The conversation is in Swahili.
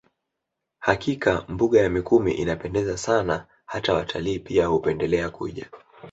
Hakika mbuga ya Mikumi inapendeza Sana hata watalii pia hupendelea kuja